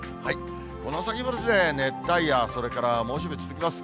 この先も熱帯夜、それから猛暑日続きます。